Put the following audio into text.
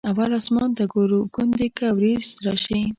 اول اسمان ته ګورو ګوندې که ورېځ راشي.